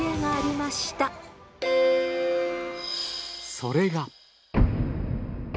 それが。